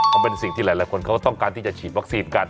มันเป็นสิ่งที่หลายคนเขาต้องการที่จะฉีดวัคซีนกัน